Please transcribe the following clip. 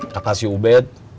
kata si ubed